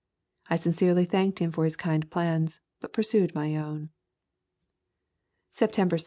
I sincerely thanked him for his kind plans, but pursued my own. September 7.